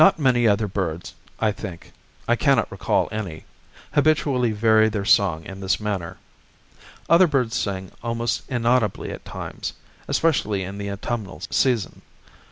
] Not many other birds, I think (I cannot recall any), habitually vary their song in this manner. Other birds sing almost inaudibly at times, especially in the autumnal season.